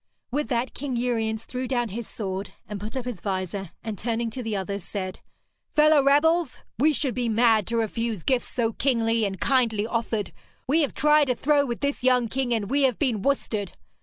With that King Uriens threw down his sword and put up his vizor, and turning to the others, said: 'Fellow rebels, we should be mad to refuse gifts so kingly and kindly offered. We have tried a throw with this young king, and we have been worsted.